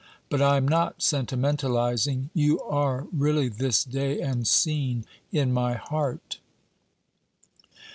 But I am not sentimentalizing, you are really this day and scene in my heart.'